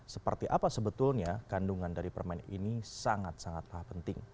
seperti apa sebetulnya kandungan dari permen ini sangat sangatlah penting